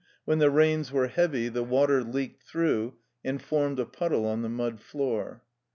When the rains were heavy the water leaked through and formed a puddle on the mud floor.